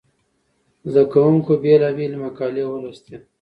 زده کوونکو بېلابېلې مقالې ولوستې.